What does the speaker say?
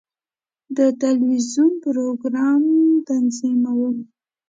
زه د ټلویزیون پروګرام تنظیموم.